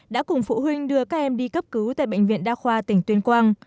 đã cùng phụ huynh đưa các em đi cấp cứu tại bệnh viện đa khoa tỉnh tuyên quang